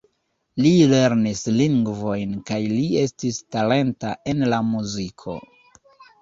Li lernis lingvojn kaj li estis talenta en la muziko.